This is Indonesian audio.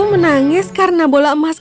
aku menangis karena bola emasku